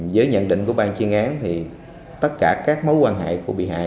với nhận định của bang chuyên án thì tất cả các mối quan hệ của bị hại